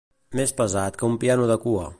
Més pesat que un piano de cua.